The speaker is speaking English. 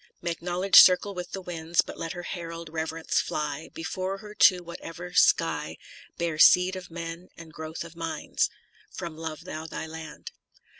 Make knowledge circle with the winds ; But let her herald, Reverence, fly Before her to whatever sky Bear seed of men and growth of minds. —" Love Thou thy Land."